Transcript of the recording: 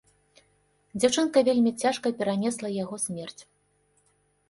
Дзяўчынка вельмі цяжка перанесла яго смерць.